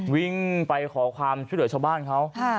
วิ่งไปขอความช่วยเหลือชาวบ้านเขา